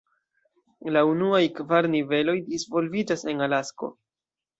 La unuaj kvar niveloj disvolviĝas en Alasko.